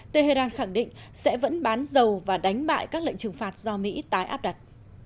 tehran khẳng định sẽ vẫn bán dầu và đánh bại các lệnh trừng phạt do mỹ tái áp đặt